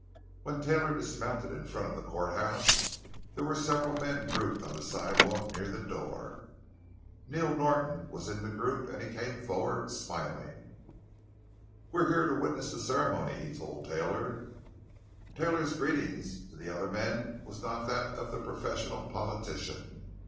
When Taylor dismounted in front of the courthouse there were several men grouped on the sidewalk near the door. Neil Norton was in the group, and he came forward, smiling. "We're here to witness the ceremony," he told Taylor. Taylor's greeting to the other men was not that of the professional politician.